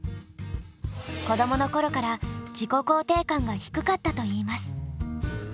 子どものころから自己肯定感が低かったといいます。